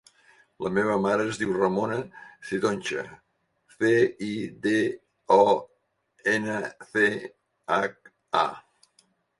La meva mare es diu Ramona Cidoncha: ce, i, de, o, ena, ce, hac, a.